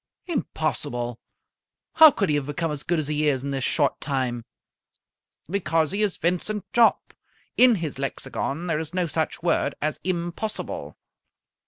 "Impossible! How could he have become as good as he is in this short time?" "Because he is Vincent Jopp! In his lexicon there is no such word as impossible."